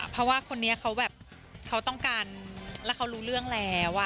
เพราะว่าคนนี้เขาแบบเขาต้องการแล้วเขารู้เรื่องแล้ว